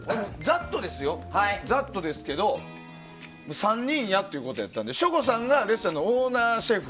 ざっとですけど３人やってことだったので省吾さんがレストランのオーナーシェフ。